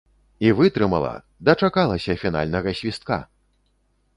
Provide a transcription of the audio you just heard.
І вытрымала, дачакалася фінальнага свістка!